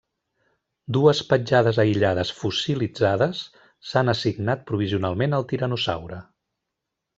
Dues petjades aïllades fossilitzades s'han assignat provisionalment al tiranosaure.